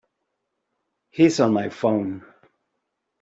He's on my phone.